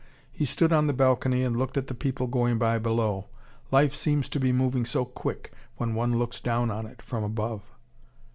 He stood on the balcony and looked at the people going by below. Life seems to be moving so quick, when one looks down on it from above.